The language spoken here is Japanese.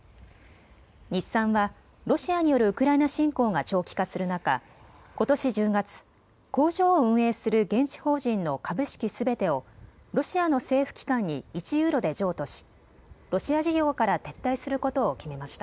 日産はロシアによるウクライナ侵攻が長期化する中、ことし１０月、工場を運営する現地法人の株式すべてをロシアの政府機関に１ユーロで譲渡しロシア事業から撤退することを決めました。